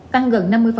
tăng gần năm mươi